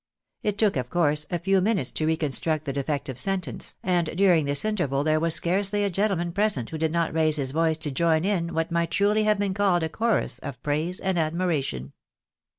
It took, of course, a few minutes to reconstruct the defective THE AMEKDED SENTENCE. 137 sentence, and during this interval there was scarcely a gentleman present who did not raise his voice to join in what might truly have been called a chorus of praise and admiration.